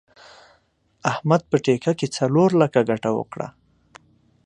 احمد په ټېکه کې څلور لکه ګټه وکړه.